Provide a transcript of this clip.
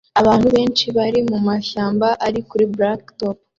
Abantu benshi bari mumashyamba ari kuri blacktop